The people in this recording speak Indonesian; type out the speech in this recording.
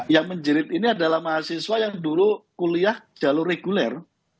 yang menjerit ini adalah mahasiswa yang dulu kuliah jalur reguler